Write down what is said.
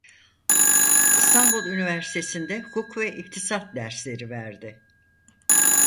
İstanbul Üniversitesi'nde hukuk ve iktisat dersleri verdi.